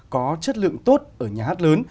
có chất lượng tốt ở nhà hát lớn